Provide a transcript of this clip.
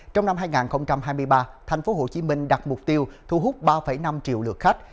trong năm hai nghìn hai mươi ba tp hcm đặt mục tiêu thu hút ba năm triệu lượt khách